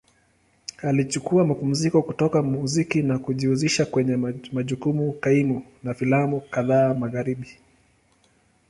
Alichukua mapumziko kutoka muziki na kujihusisha kwenye majukumu kaimu na filamu kadhaa Magharibi.